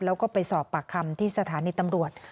แล้วก็ไปสอบปากคำที่สถานีตำรวจ